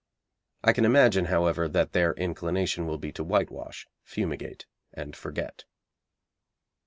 I can imagine, however, that their inclination will be to whitewash, fumigate, and forget.